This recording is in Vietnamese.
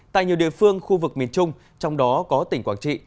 tại nhiều địa phương khu vực miền trung trong đó có tỉnh quảng trị